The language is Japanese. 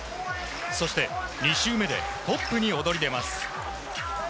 そして、２周目でトップに躍り出ます。